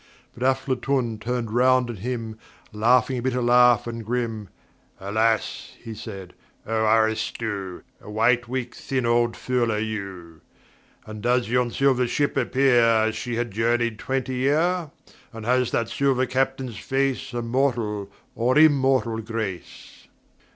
But Aflatun turned round on him Laughing a bitter laugh and grim. "Alas," he said, "O Aristu, A white weak thin old fool are you. "And does yon silver Ship appear As she had journeyed twenty year? And has that silver Captain's face A mortal or Immortal grace?